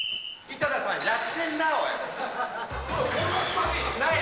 井戸田さん、やってんな、おい。